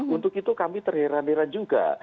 untuk itu kami terheran heran juga